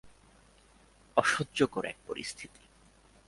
অসহ্যকর এক পরিস্থিতি।